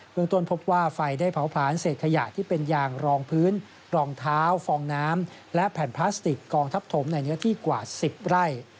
เมืองต้นพบว่าไฟได้เผาผลาญเศษขยะที่เป็นยางรองพื้นรองเท้าฟองน้ำและแผ่นพลาสติกกองทับถมในเนื้อที่กว่า๑๐ไร่